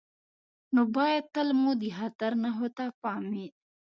نو باید تل مو د خطر نښو ته پام وي.